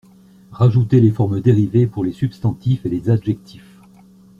Rajouter les formes dérivées pour les substantifs et les adjectifs.